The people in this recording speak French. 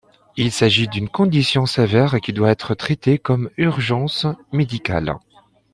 Il s'agit d'une condition sévère qui doit être traitée comme urgence médicale.